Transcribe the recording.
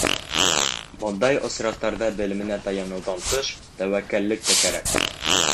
Бындай осраҡтарҙа белеменә таяныуҙан тыш, тәүәккәллек тә кәрәк.